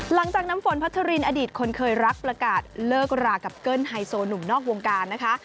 หลังจากน้ำฝนพัทรินอดีตคนเคยรักประกาศเลิกรากับเกิ้ลไฮโซหนุ่มนอกวงการนะคะ